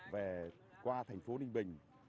về qua thành phố ninh bình